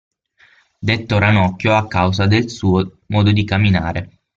Detto Ranocchio a causa del suo modo di camminare.